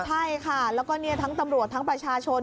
ใช่ค่ะแล้วก็ทั้งตำรวจทั้งประชาชน